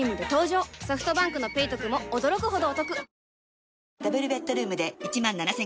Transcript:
ソフトバンクの「ペイトク」も驚くほどおトク